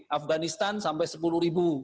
afganistan sampai sepuluh ribu